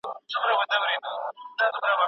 ماشوم ته باید اجازه ورکړل سي چي خپله ژبه وکاروي.